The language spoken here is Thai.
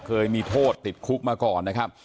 เคยมีโทษติดคุกมาก่อนนะครับ